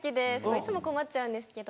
いつも困っちゃうんですけど。